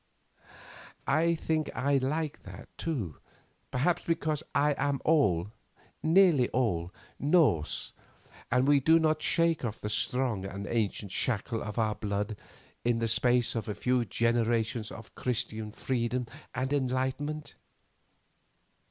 "I think like that, too, perhaps because I am all, nearly all, Norse, and we do not shake off the strong and ancient shackle of our blood in the space of a few generations of Christian freedom and enlightenment.